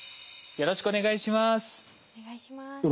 よろしくお願いします。